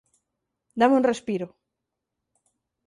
Dáme un respiro.